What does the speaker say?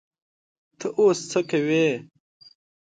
ته اوس څه کوې؟